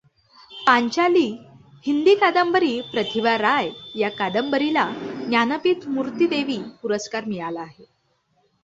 पांचाली हिंदी कादंबरी प्रतिभा राय या कादंबरीला ज्ञानपीठ मूर्ति देवी पुरस्कार मिळाला आहे.